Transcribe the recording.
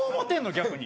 逆に。